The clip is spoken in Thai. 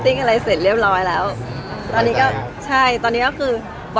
ทำยังงี้ทำไปเรื่อย